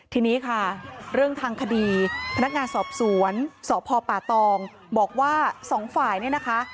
ทีนี้ค่ะเรื่องทางคดีพนักงานสอบสวนสพป่าตองบอกว่าสองฝ่ายเนี่ยนะคะ